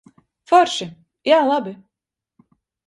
Forši. Jā, labi.